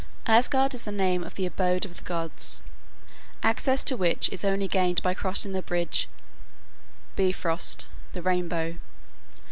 Asgard is the name of the abode of the gods, access to which is only gained by crossing the bridge Bifrost (the rainbow).